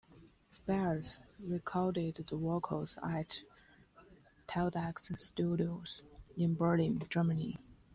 Spears recorded the vocals at Teldex Studios in Berlin, Germany.